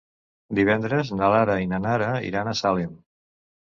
Divendres na Lara i na Nara iran a Salem.